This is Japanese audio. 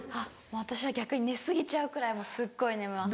私は逆に寝過ぎちゃうくらいすっごい寝ます。